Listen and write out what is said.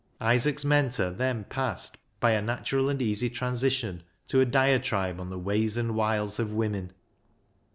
Isaac's mentor then passed by a natural and easy transition to a diatribe on the ways and wiles of women.